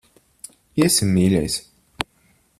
Iesim, mīļais.